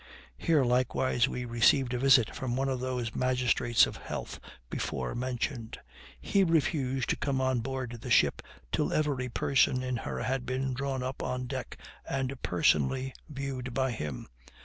Here likewise we received a visit from one of those magistrates of health before mentioned. He refused to come on board the ship till every person in her had been drawn up on deck and personally viewed by him.